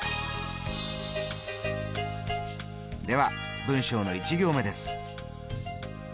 では文章の１行目です。